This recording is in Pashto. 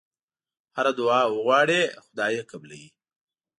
هره دعا وغواړې خدای یې قبلوي.